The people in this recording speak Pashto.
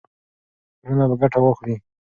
ټولنه به ګټه واخلي.